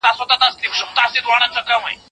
څه شی د دایمي سولي لپاره اړین دی؟